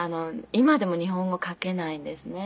今でも日本語書けないんですね。